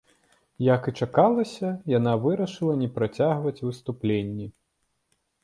Як і чакалася, яна вырашыла не працягваць выступленні.